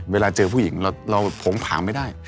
เวลาเจอผู้หญิงเราโผงผางไม่ได้